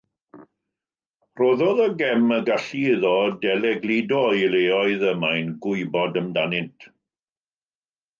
Rhoddodd y gem y gallu iddo delegludo i leoedd y mae'n gwybod amdanynt.